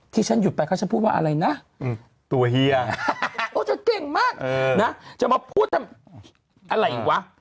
ที่ฉันหยุดไปเขาจะพูดว่าอะไรนะตัวเฮียโอ้เธอเก่งมากนะจะมาพูดทำอะไรวะ